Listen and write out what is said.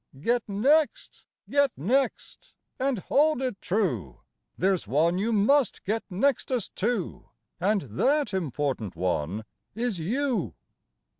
Get next! get next! and hold it true There's one you must get nextest to, And that important one is you.